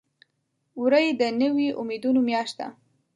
وری د نوي امیدونو میاشت ده.